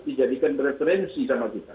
dijadikan referensi sama kita